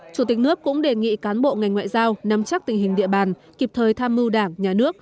chủ tịch nước cũng đề nghị cán bộ ngành ngoại giao nắm chắc tình hình địa bàn kịp thời tham mưu đảng nhà nước